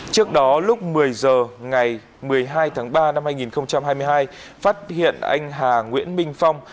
trước đó lúc một mươi h ngày một mươi hai tháng ba năm hai nghìn hai mươi hai phát hiện anh hà nguyễn minh phong